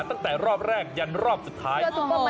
ตั้งแต่รอบแรกยันรอบสุดท้าย